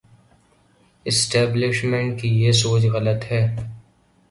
Establishment کی یہ سوچ غلط ہے۔